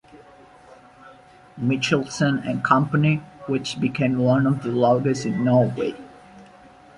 Michelsen and Company, which became one of the largest in Norway.